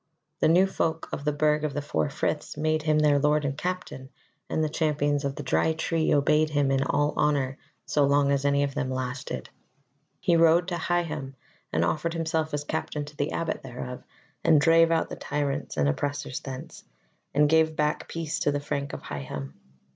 The new folk of the Burg of the Four Friths made him their lord and captain, and the Champions of the Dry Tree obeyed him in all honour so long as any of them lasted. He rode to Higham and offered himself as captain to the abbot thereof, and drave out the tyrants and oppressors thence, and gave back peace to the Frank of Higham.